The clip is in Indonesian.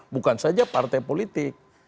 bukan saja partai politik